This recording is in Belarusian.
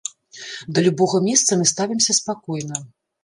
Да любога месца мы ставімся спакойна.